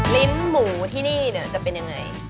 ลิ้นหมูที่นี่จะเป็นยังไง